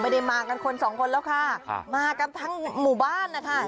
ไม่ได้มากันคนสองคนแล้วค่ะมากันทั้งหมู่บ้านนะคะ